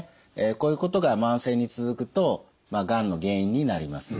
こういうことが慢性に続くとがんの原因になります。